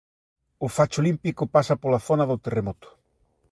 O facho olímpico pasa pola zona do terremoto